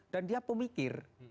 dan dia pemikir